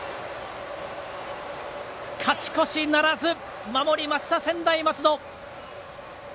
勝ち越しならず守りました、専大松戸。